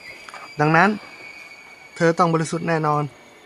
ดังนั้น เธอต้องบริสุทธิ์แน่นอน